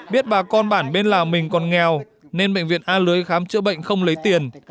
biết bà con bản bên lào mình còn nghèo nên bệnh viện a lưới khám chữa bệnh không lấy tiền